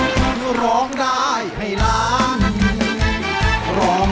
ที่ร้องได้ให้ร้าง